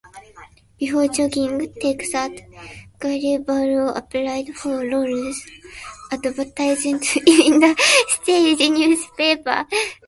Before joining Take That, Gary Barlow applied for roles advertised in The Stage newspaper.